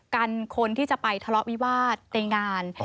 กันคนที่จะไปทะเลาะวิวาสในงาน